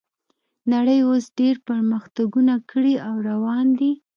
نړۍ اوس ډیر پرمختګونه کړي او روان دي